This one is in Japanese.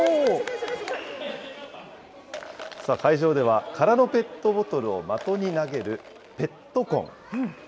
さあ、会場では、空のペットボトルを的に投げるペットコン。